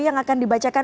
yang akan dibacakan